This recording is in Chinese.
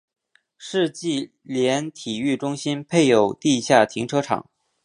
世纪莲体育中心配有地下停车场。